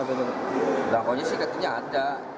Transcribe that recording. belangkonya sih katanya ada